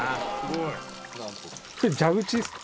それ蛇口ですか？